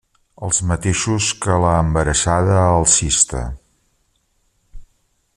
Els mateixos que l'Embarassada alcista.